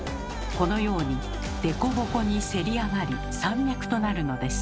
このように凸凹にせり上がり山脈となるのです。